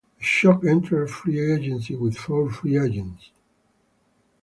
The Shock entered free agency with four free agents.